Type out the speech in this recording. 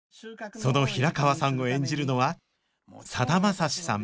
その平川さんを演じるのはさだまさしさん